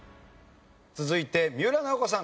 続いて三浦奈保子さん